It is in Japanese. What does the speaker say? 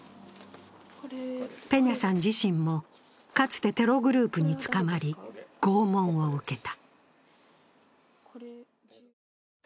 ペニャさん自身も、かつてテログループに捕まり拷問を受けた。